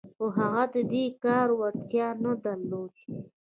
خو هغه د دې کار وړتیا نه درلوده